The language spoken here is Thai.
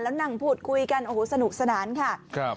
แล้วนั่งพูดคุยกันโอ้โหสนุกสนานค่ะครับ